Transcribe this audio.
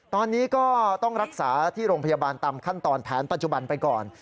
ตอนนี้ก็ต้องรักษาที่โรงพยาบาลตามขั้นตอนแผนปัจจุบันไปก่อน